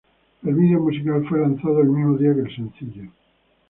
El vídeo musical fue lanzado el mismo día que el sencillo.